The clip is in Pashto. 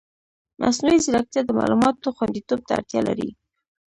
مصنوعي ځیرکتیا د معلوماتو خوندیتوب ته اړتیا لري.